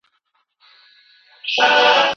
اوسنی مهال له تېر سره پرتله کوو.